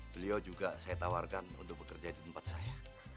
beliau juga saya tawarkan untuk bekerja di tempat saya